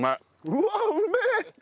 うわっうめえ！